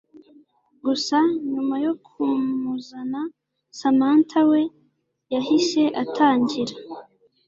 gusa nyuma yo kumuzana Samantha we yahise atangira